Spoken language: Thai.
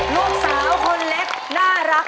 ลูกสาวคนเล็ก